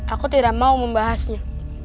aku tidak mau membahasnya